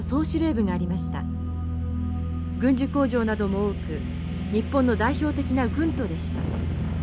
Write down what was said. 軍需工場なども多く日本の代表的な軍都でした。